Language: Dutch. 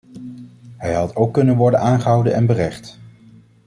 Hij had ook kunnen worden aangehouden en berecht.